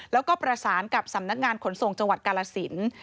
แล้วก็ประสานกับสำนักงานขนส่งจังหวัดกาลสิน